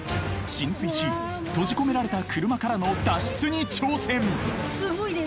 ［浸水し閉じ込められた車からの脱出に挑戦］